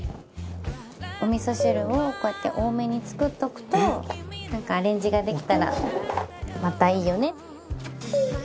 お味噌汁をこうやって多めに作っておくとなんかアレンジができたらまたいいよね。